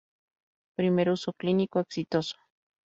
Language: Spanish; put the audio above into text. Primer uso clínico exitoso.